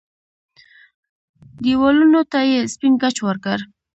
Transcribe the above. دېوالونو ته يې سپين ګچ ورکړ.